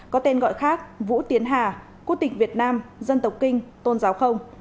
có tên gọi khác vũ tiến hà quốc tịch việt nam dân tộc kinh tôn giáo không